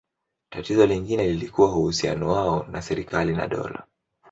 Tatizo lingine lilikuwa uhusiano wao na serikali na dola.